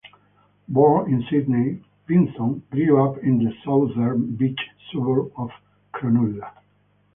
Born in Sydney, Vinson grew up in the southern beach suburb of Cronulla.